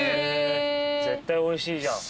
絶対おいしいじゃん。